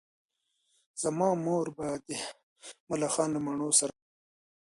زما مور به دا ملخان له مڼو سره پاخه کړي